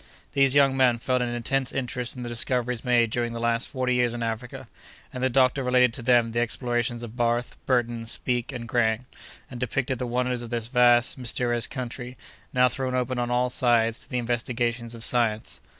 These young men felt an intense interest in the discoveries made during the last forty years in Africa; and the doctor related to them the explorations of Barth, Burton, Speke, and Grant, and depicted the wonders of this vast, mysterious country, now thrown open on all sides to the investigations of science.